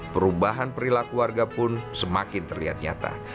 perubahan perilaku warga pun semakin terlihat nyata